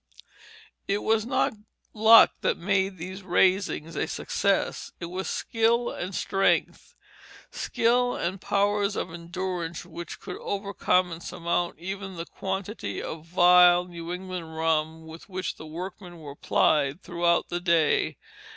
It was not luck that made these raisings a success, it was skill and strength; skill and powers of endurance which could overcome and surmount even the quantity of vile New England rum with which the workmen were plied throughout the day.